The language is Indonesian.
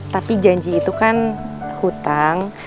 jadi janji itu kan hutang